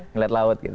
ngeliat laut gitu